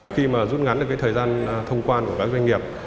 khi mà rút ngắn được cái thời gian thông quan của các doanh nghiệp